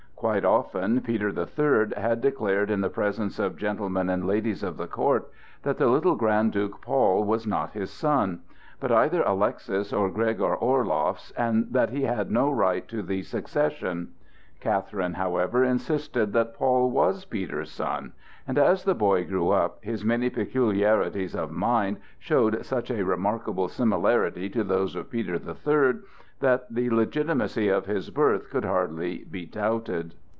Quite often Peter the Third had declared in the presence of gentlemen and ladies of the court that the little Grand Duke Paul was not his son, but either Alexis or Gregor Orloff's, and that he had no right to the succession. Catherine, however, insisted that Paul was Peter's son, and as the boy grew up, his many peculiarities of mind showed such a remarkable similarity to those of Peter the Third, that the legitimacy of his birth could hardly be doubted.